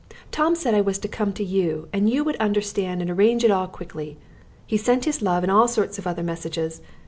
Tom said I was to come to you, and you would understand and arrange it all quickly. He sent his love and all sorts of other messages.